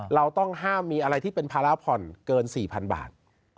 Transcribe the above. เราต้องห้ามมีอะไรที่เป็นภาระผ่อนเกิน๔๐๐๐บาท